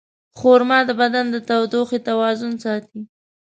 خرما د بدن د تودوخې توازن ساتي.